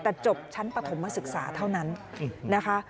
แต่จบชั้นปฐมศึกษาเท่านั้นนะคะ